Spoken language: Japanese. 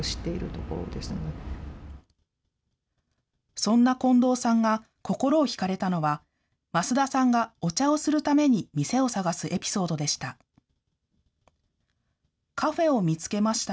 そんな近藤さんが心を引かれたのは、益田さんがお茶をするために店を探すエピソードでした。